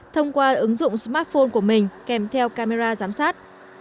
thông qua ứng dụng smartphone của mình kèm theo camera giám sát